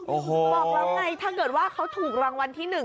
โอ้โหบอกแล้วไงถ้าเกิดว่าเขาถูกรางวัลที่๑